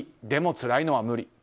でも、つらいのは無理。